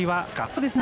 そうですね。